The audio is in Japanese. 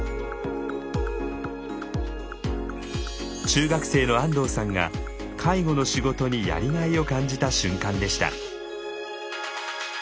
中学生の安藤さんが介護の仕事にやりがいを感じた瞬間でした。